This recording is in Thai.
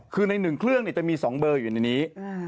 คือใน๑เครื่องจะมี๒เบอร์อยู่ในนี้